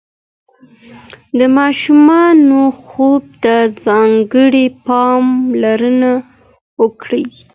د ماشومانو خوب ته ځانګړې پاملرنه وکړئ.